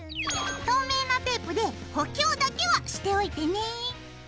透明なテープで補強だけはしておいてね。